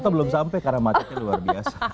atau belum sampai karena matanya luar biasa